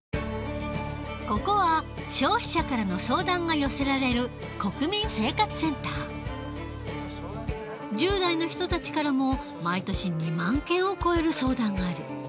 ここは消費者からの相談が寄せられる１０代の人たちからも毎年２万件を超える相談がある。